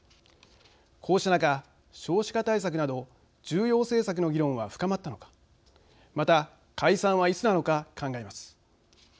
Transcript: こうした中、少子化対策など重要政策の議論は深まったのかまた解散はいつなのか、考えます。